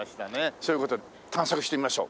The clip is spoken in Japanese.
そういう事で探索してみましょう。